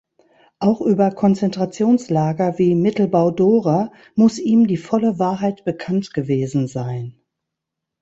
Auch über Konzentrationslager wie Mittelbau-Dora muss ihm die volle Wahrheit bekannt gewesen sein.